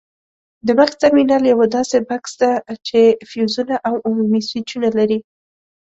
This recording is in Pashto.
د بکس ترمینل یوه داسې بکس ده چې فیوزونه او عمومي سویچونه لري.